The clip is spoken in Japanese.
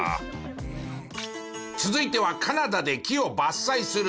続いてはカナダで木を伐採する職人さん。